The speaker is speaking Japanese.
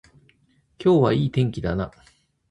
今日はいい天気だな